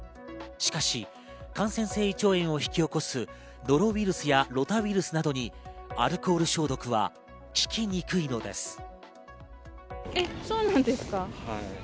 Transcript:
しかし感染性胃腸炎を引き起こすノロウイルスやロタウイルスなどにアルコール消毒は効きにくいのです。